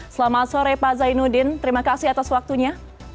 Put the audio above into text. selamat sore pak zainuddin terima kasih atas waktunya